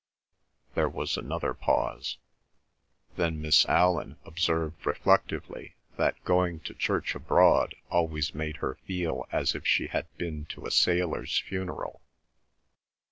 There was another pause. Then Miss Allan observed reflectively that going to church abroad always made her feel as if she had been to a sailor's funeral.